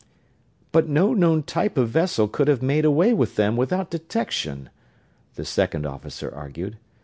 "But no known type of vessel could have made away with them without detection," the second officer argued.